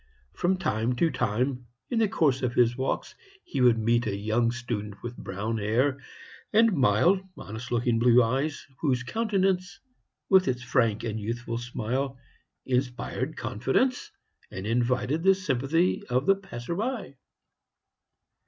From time to time, in the course of his walks, he would meet a young student with brown hair, and mild, honest looking blue eyes, whose countenance, with its frank and youthful smile, inspired confidence and invited the sympathy of the passer by.